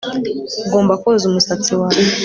Ugomba koza umusatsi wawe